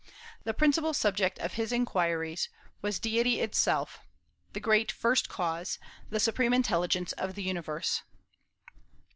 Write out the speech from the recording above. The principal subject of his inquiries was deity itself, the great First Cause, the supreme Intelligence of the universe.